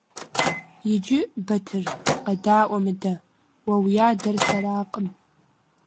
Иджы, Батыр, къэдаӀуэ мыдэ: уэ уи адэр сэракъым.